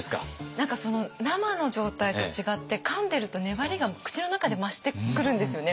何か生の状態と違ってかんでると粘りが口の中で増してくるんですよね。